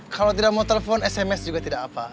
kalau tidak mau telepon sms juga tidak apa